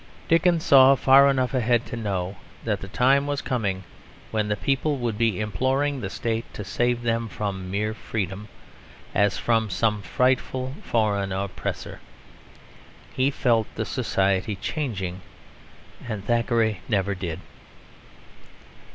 Dickens saw far enough ahead to know that the time was coming when the people would be imploring the State to save them from mere freedom, as from some frightful foreign oppressor. He felt the society changing; and Thackeray never did.